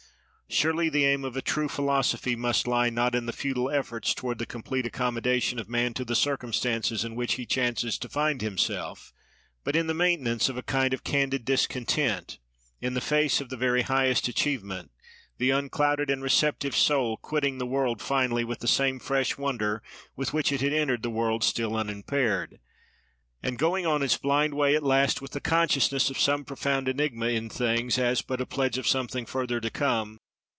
Surely, the aim of a true philosophy must lie, not in futile efforts towards the complete accommodation of man to the circumstances in which he chances to find himself, but in the maintenance of a kind of candid discontent, in the face of the very highest achievement; the unclouded and receptive soul quitting the world finally, with the same fresh wonder with which it had entered the world still unimpaired, and going on its blind way at last with the consciousness of some profound enigma in things, as but a pledge of something further to come.